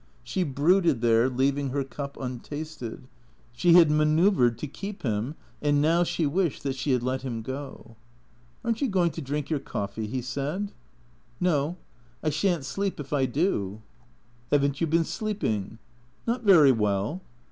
She brooded there, leaving her cup untasted. She had ma noeuvred to keep him. And now she wished that she had let him go. "Aren't you going to drink your coffee?" he said. 10 THECEEATORS " No. I shan't sleep if I do." " Have n't you been sleeping ?"" Not very well."